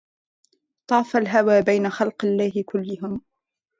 طاف الهوى بين خلق الله كلهم